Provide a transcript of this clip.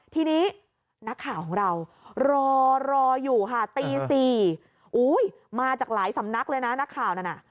ทีนี้นักข่าวของเรารอรออยู่ค่ะตี๔อุ้ยมาจากหลายสำนักเลยนะนักข่าวนั่นน่ะ